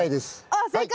あっ正解？